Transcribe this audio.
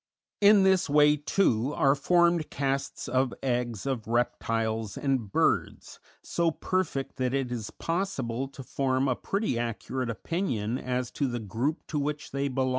In this way, too, are formed casts of eggs of reptiles and birds, so perfect that it is possible to form a pretty accurate opinion as to the group to which they belong.